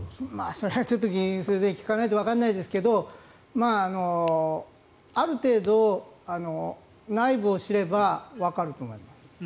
それは、議員先生に聞かないとわからないですがある程度、内部を知ればわかると思います。